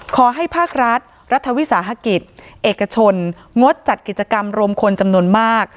ขอให้ภาครัฐรัฐวิสาหกิจเอกชนงดจัดกิจกรรมรวมคนจำนวนมาก